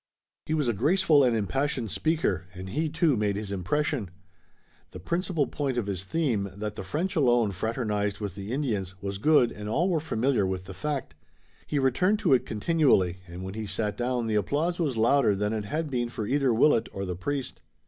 He was a graceful and impassioned speaker, and he, too, made his impression. The principal point of his theme, that the French alone fraternized with the Indians, was good and all were familiar with the fact. He returned to it continually, and when he sat down the applause was louder than it had been for either Willet or the priest.